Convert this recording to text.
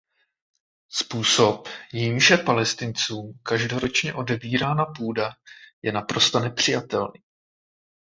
Způsob, jímž je Palestincům každodenně odebírána půda, je naprosto nepřijatelný.